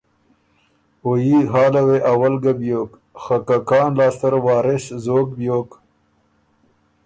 او يي حاله وې اول ګۀ بیوک خه که کان لاسته ر وارث زوک بیوک